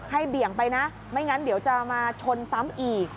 เบี่ยงไปนะไม่งั้นเดี๋ยวจะมาชนซ้ำอีก